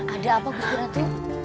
ada apa gusti ratu